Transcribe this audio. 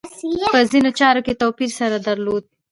په ځینو چارو کې توپیر سره درلود.